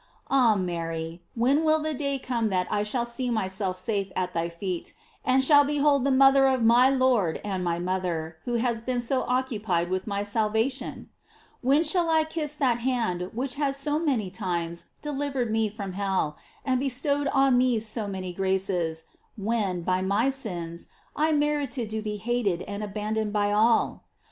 Ah Mary, when will the day come that I shall see myself eafe at thy feet, and shall behold the mother of my Lord and my mother, who has been so oc cupied with my salvation ? When shall I kiss that hand which has so many times delivered me from hell and bestowed on me so many graces, when, by my sins, I merited to be hated and abandoned by all